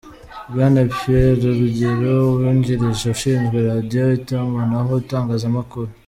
Bwana Pierre Rugero, Uwungirije Ushinzwe Radio, itumanaho n’itangazamakuru